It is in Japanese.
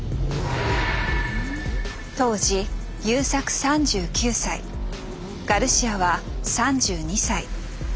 当時優作３９歳ガルシアは３２歳。